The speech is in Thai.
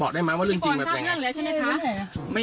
บอกได้ไหมว่าเรื่องจริงมันเป็นยังไงพี่ปอลสร้างเรื่องแล้วใช่ไหมคะ